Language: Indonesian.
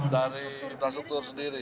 dari infrastruktur sendiri